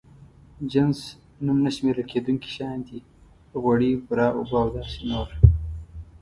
جنس نوم نه شمېرل کېدونکي شيان دي: غوړي، بوره، اوبه او داسې نور.